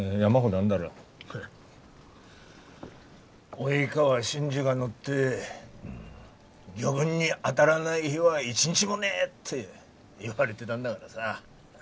「及川新次が乗って魚群に当たらない日は一日もねえ！」って言われてたんだがらさ。